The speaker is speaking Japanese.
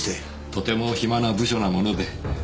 とても暇な部署なもので。